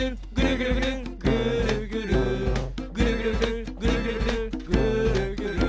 「ぐるぐるぐるぐるぐるぐるぐーるぐる」